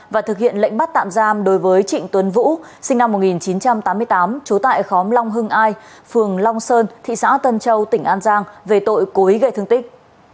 và thực hiện lệnh bắt tạm giam đối với trịnh tuấn vũ sinh năm một nghìn chín trăm tám mươi tám trú tại khóm long hưng ai phường long sơn thị xã tân châu tỉnh an giang về tội cố ý gây thương tích